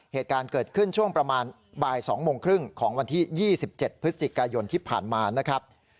เหตุการณ์เกิดขึ้นช่วงประมาณบ่าย๒โมงครึ่งของวันที่๒๗พฤศจิกายนที่ผ่านมานะครับ